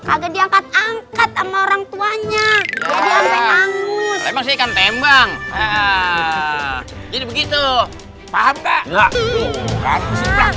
kaget diangkat angkat sama orang tuanya jadi sampai langus ikan tembang jadi begitu paham